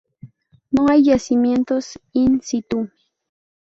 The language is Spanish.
No hay yacimientos "in situ".